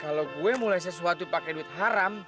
kalau gue mulai sesuatu pakai duit haram